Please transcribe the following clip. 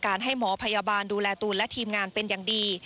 ไม่หิตามึงเลยนะอยากมาเยอะกว่านี้